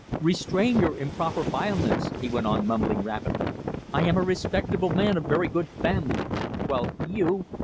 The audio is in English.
"Restrain your improper violence," he went on mumbling rapidly. "I am a respectable man of very good family, while you